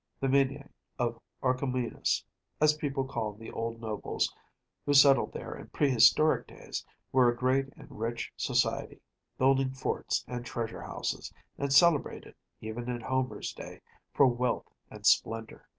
The Minyæ of Orchomenus, as people called the old nobles who settled there in prehistoric days, were a great and rich society, building forts and treasure houses, and celebrated, even in Homer’s day, for wealth and splendor.